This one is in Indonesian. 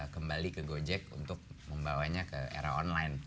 kembali ke gojek untuk membawanya ke era online